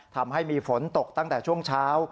ทำให้มีฝนตกตั้งแต่ช่วงเช้า